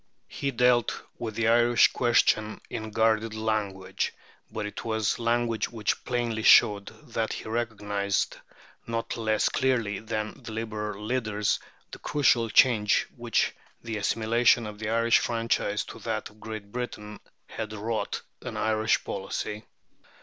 He dealt with the Irish question in guarded language; but it was language which plainly showed that he recognized, not less clearly than the Liberal leaders, the crucial change which the assimilation of the Irish franchise to that of Great Britain had wrought in Irish policy.